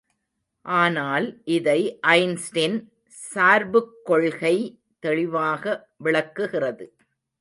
ஆனால், இதை ஐன்ஸ்டின் சார்புக் கொள்கை தெளிவாக விளக்குகிறது.